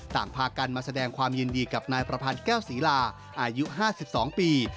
ต่างพากันมาแสดงความยินดีกับนายประพันธ์แก้วศรีลาอายุ๕๒ปี